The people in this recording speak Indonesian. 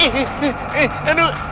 eh eh aduh